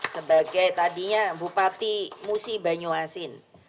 sebagai tadinya bupati musi banyuasin